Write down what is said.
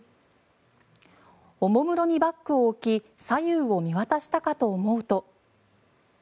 おもむろにバッグを置き左右を見渡したかと思うと。